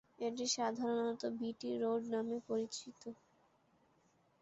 এটি সাধারণত BT road নামে পরিচিত।